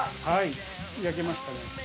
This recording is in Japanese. はい焼けましたね。